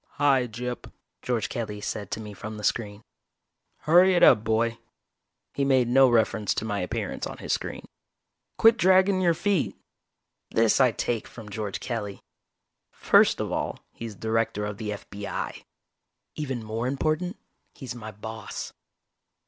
"Hi, Gyp," George Kelly said to me from the screen. "Hurry it up, boy." He made no reference to my appearance on his screen. "Quit draggin' your feet!" This I take from George Kelly. First of all, he's Director of the F.B.I. Even more important, he's my boss.